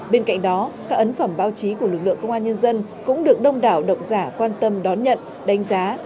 bên cạnh đó các ấn phẩm báo chí của lực lượng công an nhân dân cũng được đông đảo độc giả quan tâm đón nhận đánh giá